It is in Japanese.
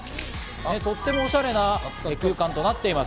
とってもおしゃれな空間となっています。